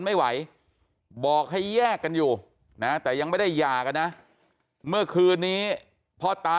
ไม่ไหวบอกให้แยกกันอยู่นะแต่ยังไม่ได้หย่ากันนะเมื่อคืนนี้พ่อตา